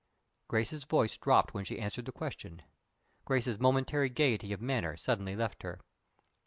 Grace's voice dropped when she answered the question. Grace's momentary gayety of manner suddenly left her.